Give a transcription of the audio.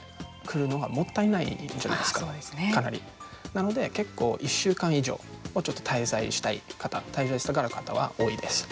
なので結構１週間以上滞在したい方滞在したがる方は多いです。